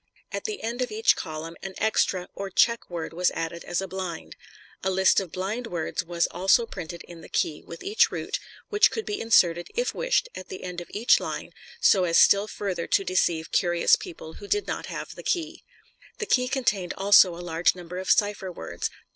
At the end of each column an "extra" or "check" word was added as a blind. A list of "blind" words was also printed in the key, with each route, which could be inserted, if wished, at the end of each line so as still further to deceive curious people who did not have the key. The key contained also a large number of cipher words.